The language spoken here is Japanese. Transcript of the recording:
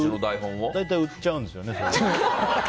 大体売っちゃうんですよね。